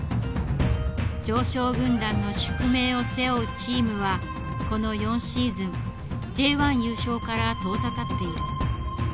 常勝軍団の宿命を背負うチームはこの４シーズンＪ１優勝から遠ざかっている。